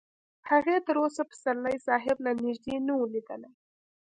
هغې تر اوسه پسرلي صاحب له نږدې نه و لیدلی